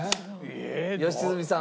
良純さん。